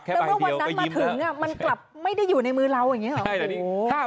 แต่ว่าวันนั้นมาถึงมันกลับไม่ได้อยู่ในมือเรา